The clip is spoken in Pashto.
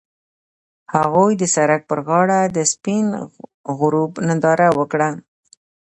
هغوی د سړک پر غاړه د سپین غروب ننداره وکړه.